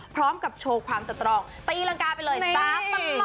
พร้อมกับโชว์ความตะตรองตีรังกาไปเลยจาพนมหลอกจ้า